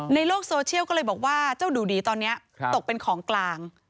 ในโลกโซเชียลก็เลยบอกว่าเจ้าดูดีตอนนี้ตกเป็นของกลาง